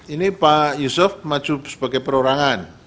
ini pak yusuf maju sebagai perorangan